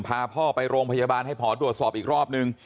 พาพ่อไปโรงพยาบาลให้ตรวจสอบอีกที